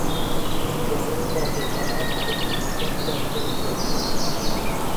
Dorim cu adevărat să se întâmple acest lucru?